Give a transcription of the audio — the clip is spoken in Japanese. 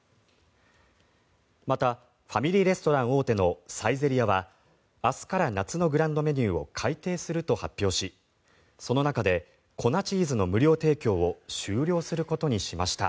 またファミリーレストラン大手のサイゼリヤは明日から夏のグランドメニューを改定すると発表しその中で粉チーズの無料提供を終了することにしました。